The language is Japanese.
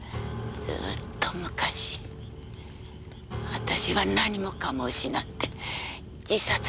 ずーっと昔私は何もかも失って自殺にまで失敗した。